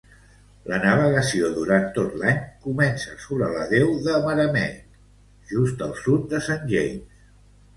La navegació durant tot l'any comença sobre la deu de Maramec, just al sud de Saint James.